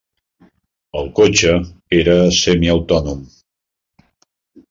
El cotxe era semiautònom.